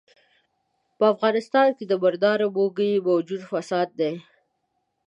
په افغانستان کې د مردارۍ موږی موجوده فساد دی.